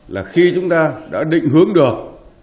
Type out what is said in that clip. là khi chúng ta đã định hướng được